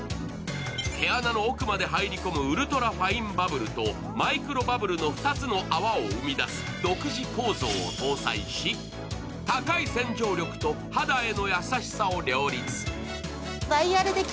毛穴の奥まで入り込むウルトラファインバブルとマイクロバブルの２つの泡を生み出す独自構造を搭載し、高い洗浄力と肌への優しさを両立。